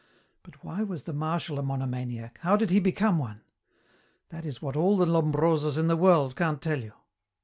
But why was the Marshal a monomaniac, how did he become one? That is what all the Lombrosos in the world can't tell you.